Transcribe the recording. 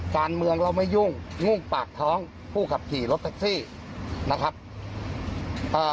การเมืองเราไม่ยุ่งยุ่งปากท้องผู้ขับขี่รถแท็กซี่นะครับเอ่อ